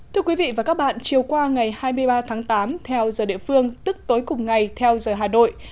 thưa quý vị và các bạn chiều qua ngày hai mươi ba tháng tám theo giờ địa phương tức tối cùng ngày theo giờ hà nội